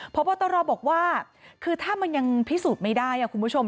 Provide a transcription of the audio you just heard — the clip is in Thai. พบตรบอกว่าคือถ้ามันยังพิสูจน์ไม่ได้คุณผู้ชม